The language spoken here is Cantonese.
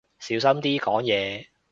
小心啲講嘢